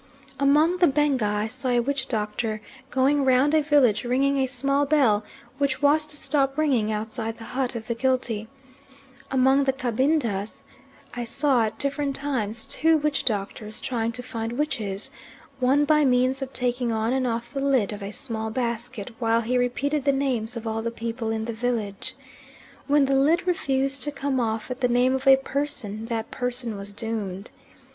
Among the Benga I saw a witch doctor going round a village ringing a small bell which was to stop ringing outside the hut of the guilty. Among the Cabindas (Fjort) I saw, at different times, two witch doctors trying to find witches, one by means of taking on and off the lid of a small basket while he repeated the names of all the people in the village. When the lid refused to come off at the name of a person, that person was doomed.